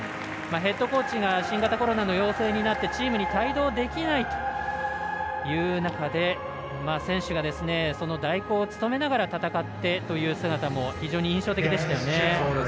ヘッドコーチが新型コロナの陽性になってチームに帯同できないという中で選手が、その代行を務めながら戦ってという姿も非常に印象的でしたよね。